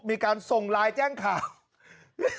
มีการส่งไลน์แจ้งข่าว